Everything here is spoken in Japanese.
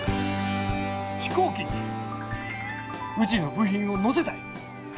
飛行機にうちの部品を乗せたい。